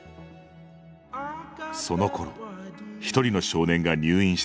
そのころひとりの少年が入院してきた。